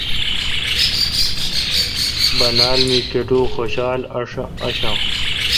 بانال می کٹو خوشال آݭآں۔